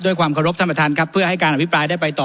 ด้วยความเคารพท่านประธานครับเพื่อให้การอภิปรายได้ไปต่อ